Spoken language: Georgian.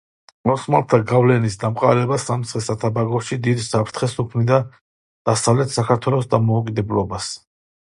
ოსმალთა გავლენის დამყარება სამცხე-საათაბაგოში დიდ საფრთხეს უქმნიდა დასავლეთ საქართველოს დამოუკიდებლობას.